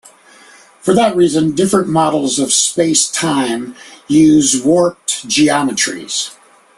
For that reason different models of space-time use warped geometries.